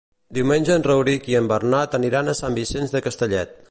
Diumenge en Rauric i en Bernat aniran a Sant Vicenç de Castellet.